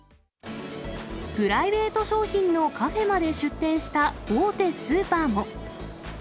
プライベート商品のカフェまで出店した大手スーパーも。